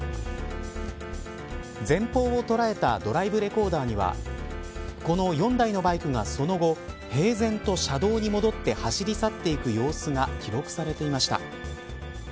前方を捉えたドライブレコーダーにはこの４台のバイクがその後平然と車道に戻って走り去っていく様子が記録されていました。